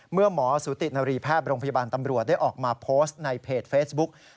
เมื่อหมอสุตินรีแพทย์โรงพยาบาลตำรวจได้ออกมาโพสต์ในเพจเฟซบุ๊ก